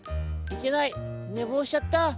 いけないねぼうしちゃった！